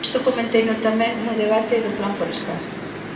Isto comenteino tamén no debate do plan forestal.